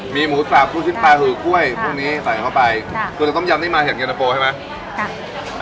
มีหมูสาบหมูชิ้นปลาหือกล้วยพวกนี้ใส่เข้าไปค่ะคือต้มยำนี่มาเห็นเกียรติโปรใช่ไหมค่ะ